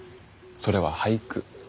それは俳句。